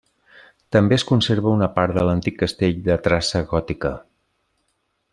També es conserva una part de l'antic castell de traça gòtica.